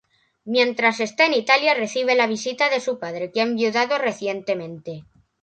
Mientras está en Italia recibe la visita de su padre, que ha enviudado recientemente.